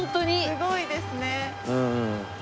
すごいですね。